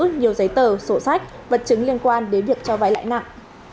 nhiều giấy tờ sổ sách vật chứng liên quan đến việc cho vai lãi nặng